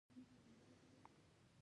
موټر د کورنۍ غړی بلل کېږي.